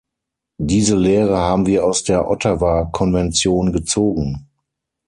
Diese Lehre haben wir aus der Ottawa-Konvention gezogen.